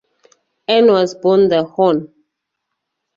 Anne was born the Hon.